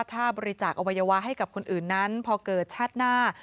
ถ้าบริจาคอวัยวะให้กับคนอื่นนั้นพอเกิดชาติหน้า